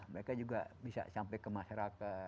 mereka juga bisa sampai ke masyarakat